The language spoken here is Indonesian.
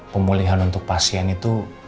pemulihan untuk pasien itu